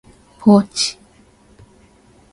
ポーチ、